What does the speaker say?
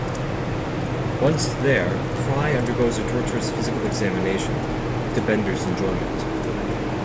Once there, Fry undergoes a torturous physical examination, to Bender's enjoyment.